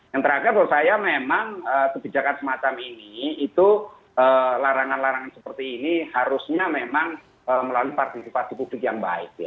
yang terakhir menurut saya memang kebijakan semacam ini itu larangan larangan seperti ini harusnya memang melalui partisipasi publik yang baik